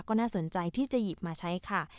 ก็น่าสนใจที่จะหยิบมาใช้ค่ะ